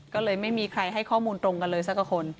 ก็เลยไม่มีใครให้ข้อมูลตรงกันเลยสักคน